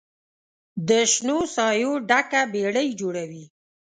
د شنو سایو ډکه بیړۍ جوړوي